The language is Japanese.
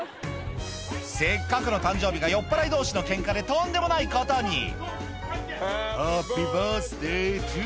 せっかくの誕生日が酔っぱらい同士のケンカでとんでもないことに「ハッピーバースデートゥ」